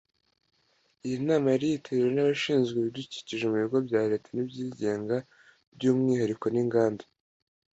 Iyi nama yari yitabiriwe n’abashinzwe ibidukikije mu bigo bya Leta n’ibyigenga by’umwihariko n’inganda